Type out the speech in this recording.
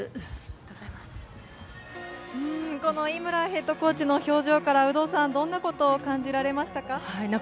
井村ヘッドコーチの表情から有働さんはどんなことを感じられましたか？